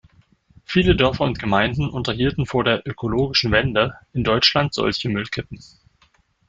Viele Dörfer und Gemeinden unterhielten vor der "Ökologischen Wende" in Deutschland solche Müllkippen.